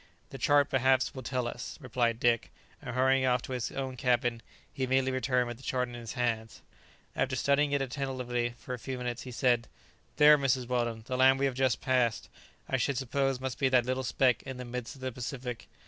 "The chart perhaps will tell us," replied Dick; and hurrying off to his own cabin, he immediately returned with the chart in his hands. After studying it attentively for a few minutes, he said, "There, Mrs. Weldon; the land we have just passed, I should suppose must be that little speck in the midst of the Pacific.